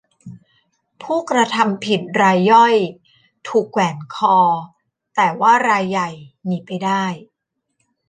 ผู้กระทำผิดรายย่อยถูกแขวนคอ แต่ว่ารายใหญ่หนีไปได้